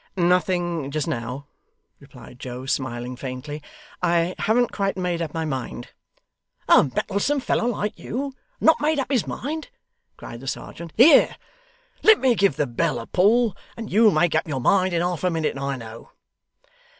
'Nothing just now,' replied Joe, smiling faintly. 'I haven't quite made up my mind.' 'A mettlesome fellow like you, and not made up his mind!' cried the serjeant. 'Here let me give the bell a pull, and you'll make up your mind in half a minute, I know.